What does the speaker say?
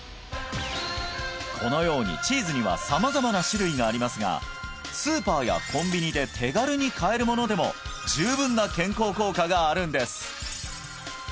このようにチーズには様々な種類がありますがスーパーやコンビニで手軽に買えるものでも十分な健康効果があるんです